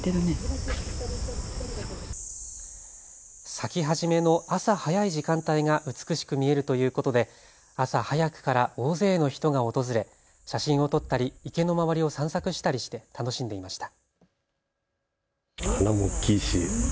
咲き始めの朝早い時間帯が美しく見えるということで朝早くから大勢の人が訪れ写真を撮ったり池の周りを散策したりして楽しんでいました。